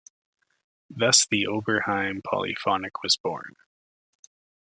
Thus the Oberheim polyphonic was born.